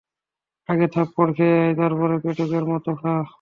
আগে থাপ্পড় খেয়ে আয়, তারপর পেটুকের মতো খা।